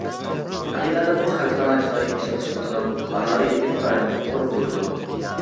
ھەقىقەتەنمۇ خەلقئارا جىنايى ئىشلار سوتىنىڭ قارارى ئىنتايىن مۇھىم ئورۇندا تۇرىدۇ.